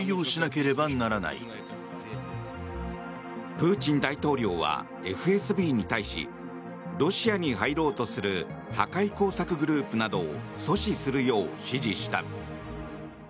プーチン大統領はＦＳＢに対しロシアに入ろうとする破壊工作グループなどを阻止するよう指示した。